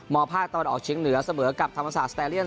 มอภาคตอนออกชิงเหนือเสมอกับธรรมศาสตร์สตาเลียน